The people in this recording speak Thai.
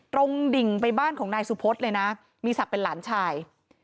ดิ่งไปบ้านของนายสุพธเลยนะมีศักดิ์เป็นหลานชาย